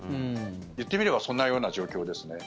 言ってみればそんなような状況ですね。